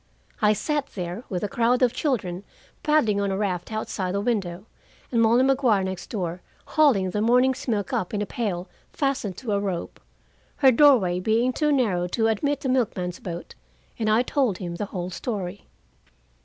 I sat there, with a crowd of children paddling on a raft outside the window, and Molly Maguire, next door, hauling the morning's milk up in a pail fastened to a rope, her doorway being too narrow to admit the milkman's boat, and I told him the whole story.